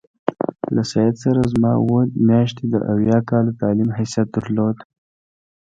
له سید سره زما اووه میاشتې د اویا کالو تعلیم حیثیت درلود.